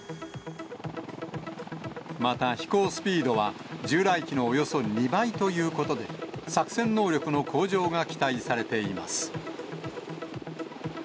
また、飛行スピードは従来機のおよそ２倍ということで、作戦能力の向上が期待されています。